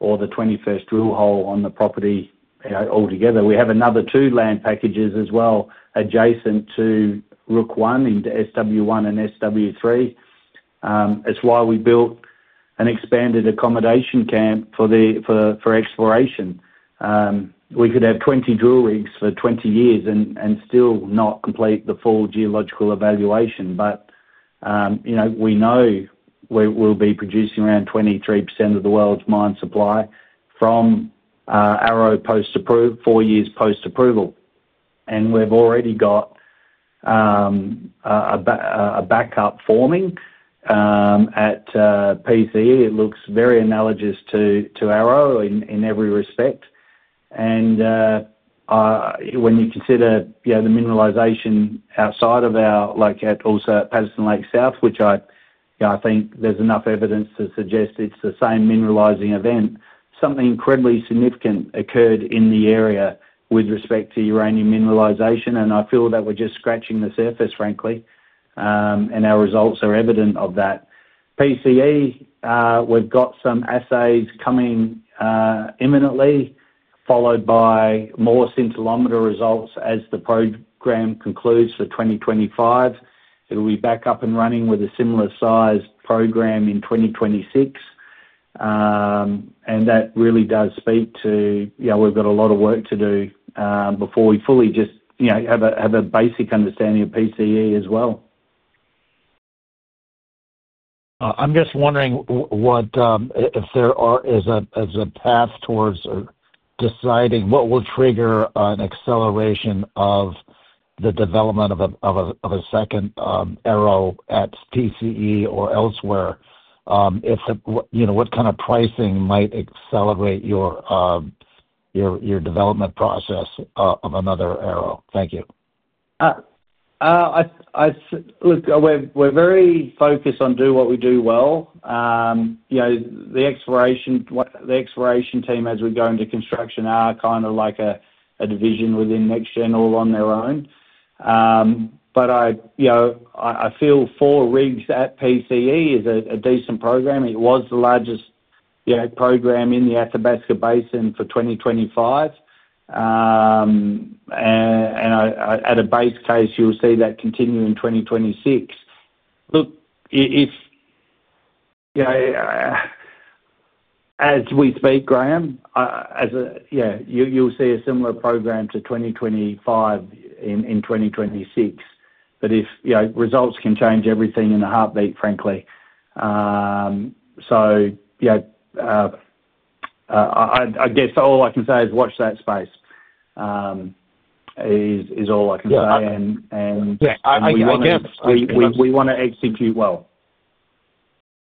or the 21st drill hole on the property altogether. We have another two land packages as well adjacent to Rook I, SW1 and SW3. It is why we built an expanded accommodation camp for exploration. We could have 20 drill rigs for 20 years and still not complete the full geological evaluation. We know we'll be producing around 23% of the world's mine supply from Arrow post-approval, four years post-approval. We've already got a backup forming at PCE. It looks very analogous to Arrow in every respect. When you consider the mineralization outside of our location, also at Patterson Lake South, which I think there's enough evidence to suggest it's the same mineralizing event, something incredibly significant occurred in the area with respect to uranium mineralization. I feel that we're just scratching the surface, frankly. Our results are evident of that. PCE, we've got some assays coming imminently, followed by more scintillometer results as the program concludes for 2025. It'll be back up and running with a similar-sized program in 2026. That really does speak to we've got a lot of work to do before we fully just have a basic understanding of PCE as well. I'm just wondering if there is a path towards deciding what will trigger an acceleration of the development of a second Arrow at PCE or elsewhere? What kind of pricing might accelerate your development process of another Arrow? Thank you. Look, we're very focused on doing what we do well. The exploration team, as we go into construction, are kind of like a division within NexGen all on their own. I feel four rigs at PCE is a decent program. It was the largest program in the Athabasca Basin for 2025. At a base case, you'll see that continue in 2026. As we speak, Graham, you'll see a similar program to 2025 in 2026. Results can change everything in a heartbeat, frankly. I guess all I can say is watch that space. Is all I can say. We want to execute well.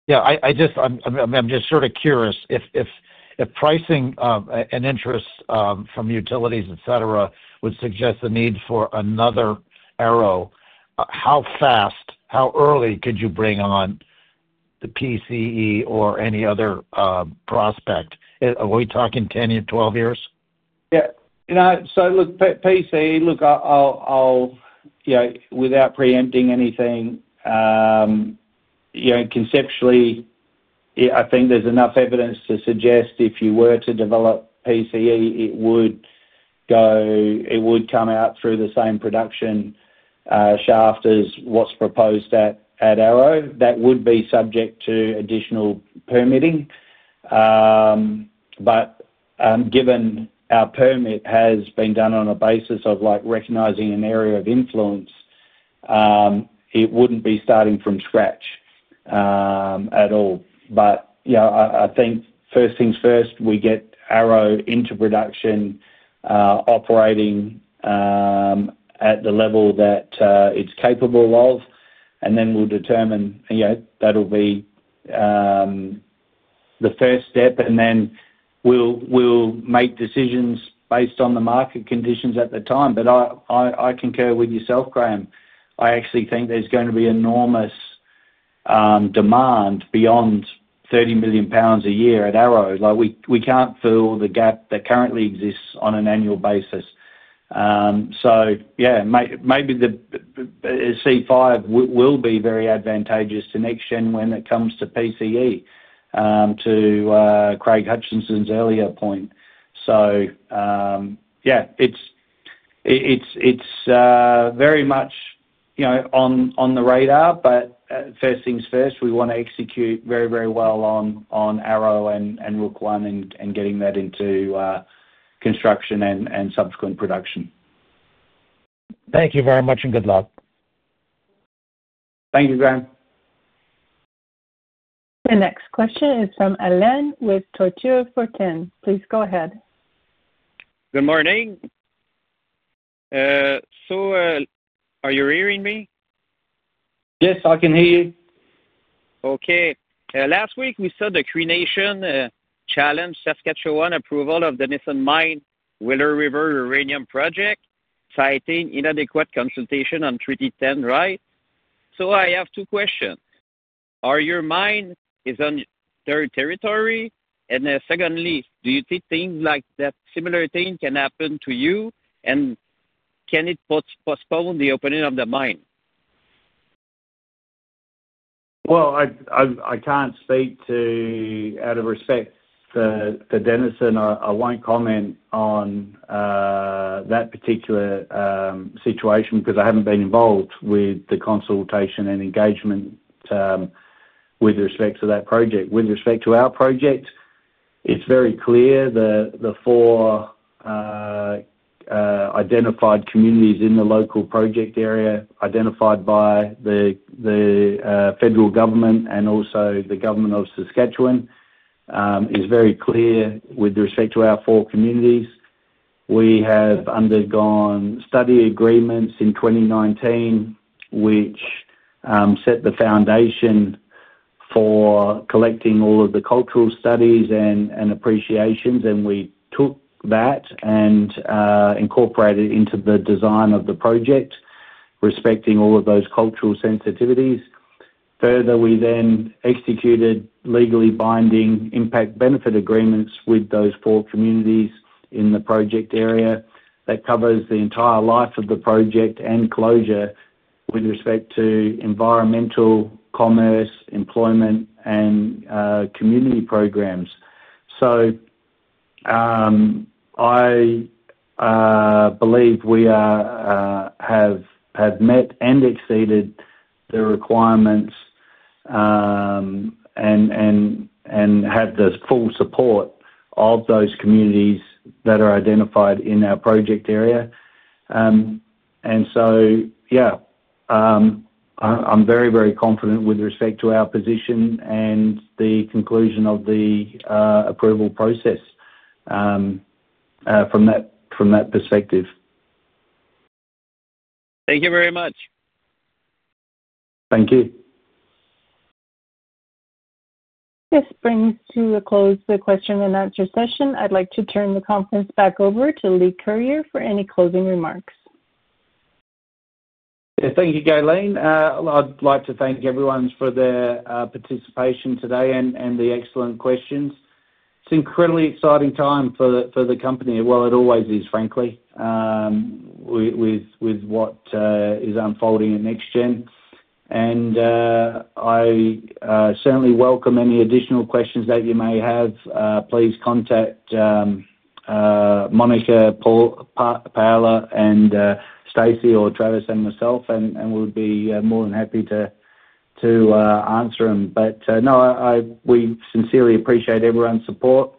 Yeah. I'm just sort of curious. If pricing and interest from utilities, et cetera., would suggest the need for another Arrow, how fast, how early could you bring on the PCE or any other prospect? Are we talking 10 or 12 years? Yeah. PCE, look, without preempting anything. Conceptually, I think there's enough evidence to suggest if you were to develop PCE, it would come out through the same production shaft as what's proposed at Arrow. That would be subject to additional permitting. Given our permit has been done on a basis of recognizing an area of influence, it wouldn't be starting from scratch at all. I think first things first, we get Arrow into production, operating at the level that it's capable of, and then we'll determine. That'll be the first step. Then we'll make decisions based on the market conditions at the time. I concur with yourself, Graham. I actually think there's going to be enormous demand beyond 30 million pounds a year at Arrow. We can't fill the gap that currently exists on an annual basis. Yeah, maybe C5 will be very advantageous to NexGen when it comes to PCE. To Craig Hutchison's earlier point. Yeah. It's very much on the radar. First things first, we want to execute very, very well on Arrow and Rook I and getting that into construction and subsequent production. Thank you very much and good luck. Thank you, Graham. The next question is from [Allen] with [Future Forten]. Please go ahead. Good morning. Are you hearing me? Yes, I can hear you. Last week, we saw the Cree Nation challenge Saskatchewan approval of the Denison Mine Wheeler River Uranium Project, citing inadequate consultation on Treaty 10, right? I have two questions. Are your mine on their territory? Secondly, do you think similar things can happen to you? Can it postpone the opening of the mine? I cannot speak to, out of respect for Denison, I will not comment on that particular situation because I have not been involved with the consultation and engagement with respect to that project. With respect to our project, it is very clear the four identified communities in the local project area identified by the federal government and also the government of Saskatchewan. It is very clear with respect to our four communities. We have undergone study agreements in 2019, which set the foundation for collecting all of the cultural studies and appreciations. We took that and incorporated it into the design of the project, respecting all of those cultural sensitivities. Further, we then executed legally binding impact benefit agreements with those four communities in the project area that covers the entire life of the project and closure with respect to environmental, commerce, employment, and community programs. I believe we have met and exceeded the requirements and have the full support of those communities that are identified in our project area. Yeah, I'm very, very confident with respect to our position and the conclusion of the approval process from that perspective. Thank you very much. Thank you. This brings to a close the question-and-answer session. I'd like to turn the conference back over to Leigh Curyer for any closing remarks. Yeah, thank you, Gillian. I'd like to thank everyone for their participation today and the excellent questions. It's an incredibly exciting time for the company, it always is, frankly, with what is unfolding at NexGen. And I certainly welcome any additional questions that you may have. Please contact Monica, Paola, Stacey, or Travis and myself, and we'll be more than happy to answer them. We sincerely appreciate everyone's support.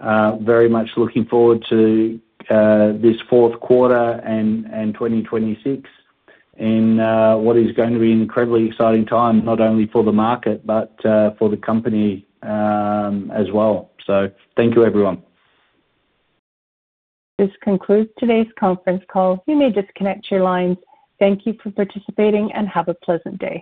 Very much looking forward to this fourth quarter and 2026 in what is going to be an incredibly exciting time, not only for the market but for the company as well. Thank you, everyone. This concludes today's conference call. You may disconnect your lines. Thank you for participating and have a pleasant day.